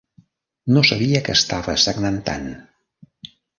No sabia que estava sagnant tant.